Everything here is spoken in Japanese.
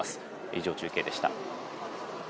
以上、中継でした。